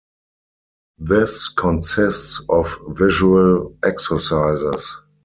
This consists of visual exercises.